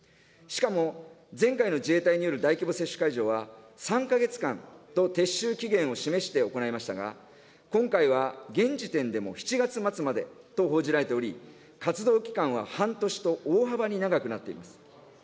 しかも前回の自衛隊による大規模接種会場は、３か月間と撤収期限を示して行いましたが、今回は、現時点でも７月末までと報じられており、活動期間は半年と、大幅に長くなっています。